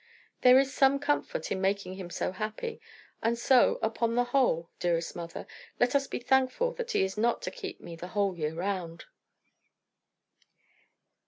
There is some comfort in making him so happy; and so, upon the whole, dearest mother, let us be thankful that he is not to keep me the whole year round."